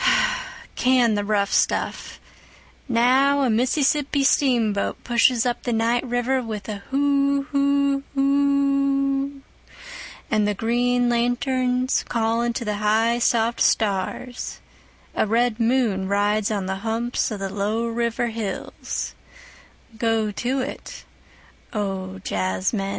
Can the rough stuff … now a Mississippi steamboat pushes up the night river with a hoo hoo hoo oo … and the green lanterns calling to the high soft stars … a red moon rides on the humps of the low river hills … go to it, O jazzmen.